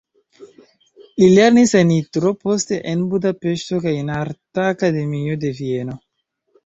Li lernis en Nitro, poste en Budapeŝto kaj en arta akademio de Vieno.